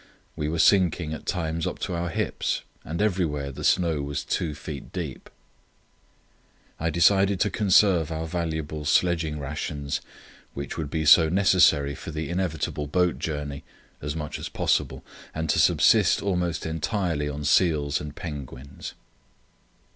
We were sinking at times up to our hips, and everywhere the snow was two feet deep. I decided to conserve our valuable sledging rations, which would be so necessary for the inevitable boat journey, as much as possible, and to subsist almost entirely on seals and penguins.